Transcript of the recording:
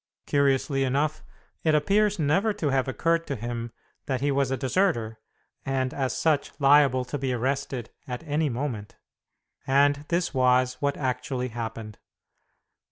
Curiously enough, it appears never to have occurred to him that he was a deserter, and as such liable to be arrested at any moment. And this was what actually happened.